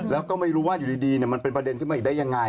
แล้วก็ไม่รู้ว่าอยู่ดีมันเป็นประเด็นขึ้นมาอีกได้ยังไง